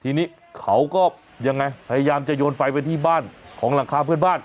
ทีนี้เขาก็ยังไงพยายามจะโยนไฟไปที่บ้านของหลังคาเพื่อนบ้าน